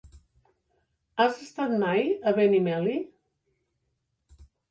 Has estat mai a Benimeli?